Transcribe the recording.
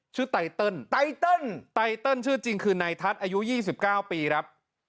ชื่อไตเติลชื่อจริงคือไนทัศน์อายุ๒๙ปีครับ